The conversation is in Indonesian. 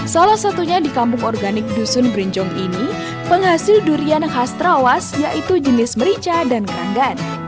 salah satunya di kampung organik dusun berinjong ini penghasil durian khas trawas yaitu jenis merica dan keranggan